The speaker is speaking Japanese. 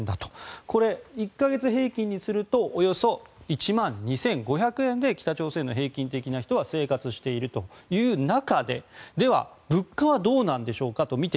これ、１か月平均にするとおよそ１万２５００円で北朝鮮の平均的な人は生活しているという中ででは、物価はどうなんでしょうか。